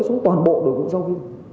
xuống toàn bộ đối với giáo viên